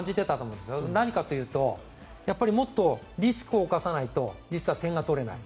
なんでかというともっとリスクを冒さないと実は点が取れない。